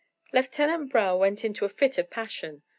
Lieutenant brough went into a fit of passion.